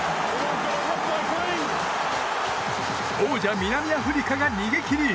王者・南アフリカが逃げ切り！